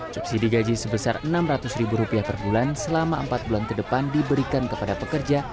subsidi gaji sebesar rp enam ratus ribu rupiah per bulan selama empat bulan ke depan diberikan kepada pekerja